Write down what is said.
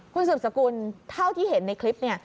คุณสืบสกุลเท่าที่เห็นในคลิปเนี่ย